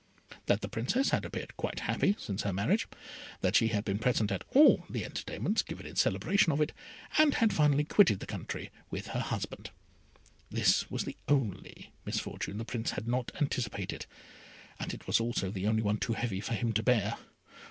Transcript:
That the Princess had appeared quite happy since her marriage, that she had been present at all the entertainments given in celebration of it, and had finally quitted the country with her husband. This was the only misfortune the Prince had not anticipated, and it was also the only one too heavy for him to bear.